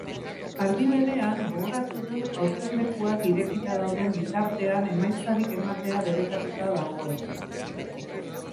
Aldi berean, gogoratu du hauteslekuak irekita dauden bitartean emaitzarik ematea debekatuta dagoela.